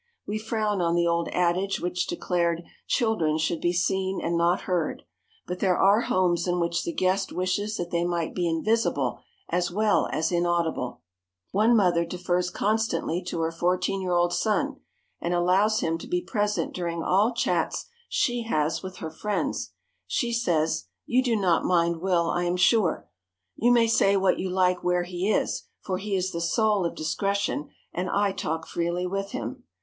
We frown on the old adage which declared "children should be seen and not heard," but there are homes in which the guest wishes that they might be invisible as well as inaudible. One mother defers constantly to her fourteen year old son, and allows him to be present during all chats she has with her friends. She says, "You do not mind Will, I am sure. You may say what you like where he is, for he is the soul of discretion, and I talk freely with him."